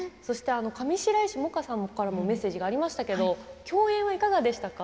上白石萌歌さんからもメッセージがありましたけれども共演はいかがでしたか？